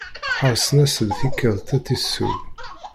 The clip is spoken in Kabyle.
Herrsen-as-d tikedt ad tt-isew.